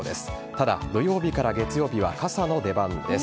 ただ、土曜日から月曜日は傘の出番です。